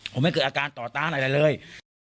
ผมไม่เกิดอาการต่อต้านอะไรเลย